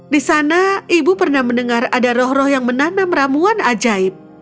di sana ibu pernah mendengar ada roh roh yang menanam ramuan ajaib